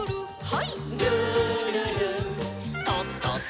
はい。